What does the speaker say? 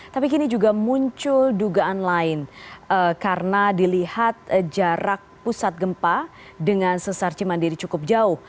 tapi kini juga muncul dugaan lain karena dilihat jarak pusat gempa dengan sesar cimandiri cukup jauh